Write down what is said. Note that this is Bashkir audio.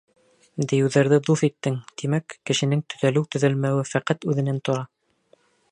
Дейеүҙәрҙе дуҫ иттең, Тимәк, кешенең төҙәлеү-төҙәлмәүе фәҡәт үҙенән тора.